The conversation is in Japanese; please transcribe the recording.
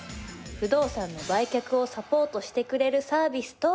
不動産の売却をサポートしてくれるサービスとは？